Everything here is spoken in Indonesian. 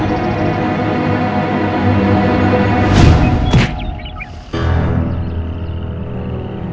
tapi kalian belum jalan